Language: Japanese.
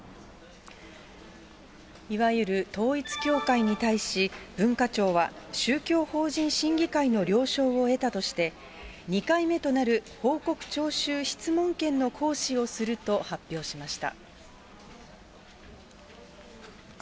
いわゆる統一教会に対し、文化庁は宗教法人審議会の了承を得たとして、２回目となる報告ちょうしゅう質問権の行使をすると発表しました。